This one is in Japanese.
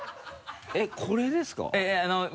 えっこれですか？